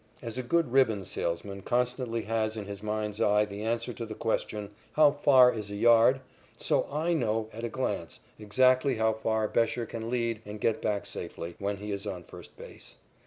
As a good ribbon salesman constantly has in his mind's eye the answer to the question, "How far is a yard?" so I know at a glance exactly how far Bescher can lead and get back safely, when he is on first base.